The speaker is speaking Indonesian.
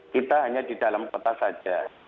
kita hanya di dalam kota saja